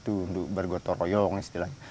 kan bersatu untuk bergotong royong istilahnya